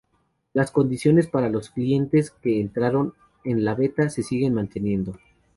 Las condiciones para los clientes que entraron en la beta se siguen manteniendo.